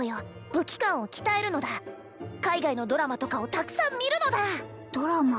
武器観を鍛えるのだ海外のドラマとかをたくさん見るのだドラマ